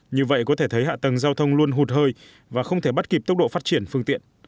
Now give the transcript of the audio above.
như vậy có thể thấy hạ tầng giao thông luôn hụt hơi và không thể bắt kịp tốc độ phát triển phương tiện